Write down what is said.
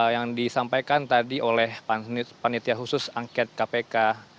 yang disampaikan tadi oleh panitia khusus angket kpk